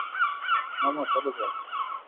মামা, চলো যাই।